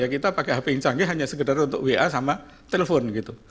kita pakai hp yang canggih hanya sekedar untuk wa sama telepon gitu